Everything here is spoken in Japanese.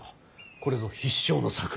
これぞ必勝の策。